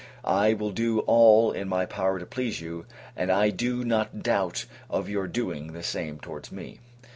I will do all in my power to please you, and I do not doubt of your doing the same towards me.